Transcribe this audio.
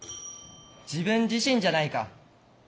自分自身じゃないか。